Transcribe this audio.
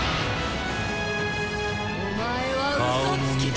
お前はうそつきだ！